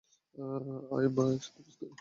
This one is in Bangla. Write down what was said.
আয় মা, একসাথে নাচ করি।